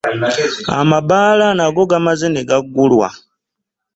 Amabbaala nago gamazze negagulwa.